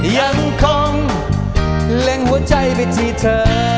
ยังคงเล็งหัวใจไปที่เธอ